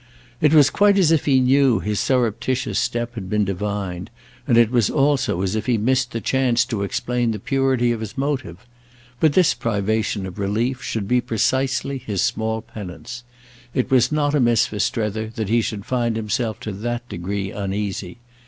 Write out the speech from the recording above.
It was quite as if he knew his surreptitious step had been divined, and it was also as if he missed the chance to explain the purity of his motive; but this privation of relief should be precisely his small penance: it was not amiss for Strether that he should find himself to that degree uneasy.